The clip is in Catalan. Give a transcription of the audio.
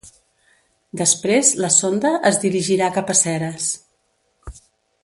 Després la sonda es dirigirà cap a Ceres.